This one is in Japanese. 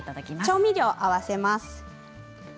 調味料を合わせます。